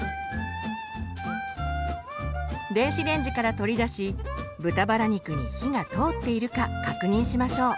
電子レンジから取り出し豚バラ肉に火が通っているか確認しましょう。